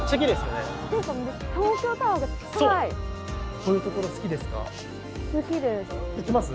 こういうところ好きですか？